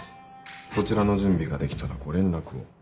そちらの準備ができたらご連絡を。